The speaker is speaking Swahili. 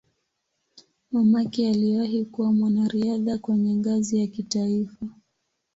Mamake aliwahi kuwa mwanariadha kwenye ngazi ya kitaifa.